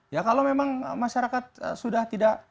ya kalau memang masyarakat sudah tidak